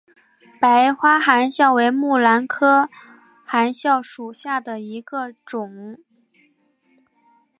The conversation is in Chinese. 白花含笑为木兰科含笑属下的一个种。